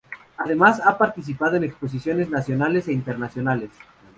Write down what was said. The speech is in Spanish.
Además ha participado en exposiciones nacionales e internacionales.